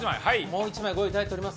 もう一枚。